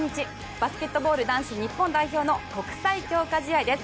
バスケットボール男子日本代表の国際強化試合です。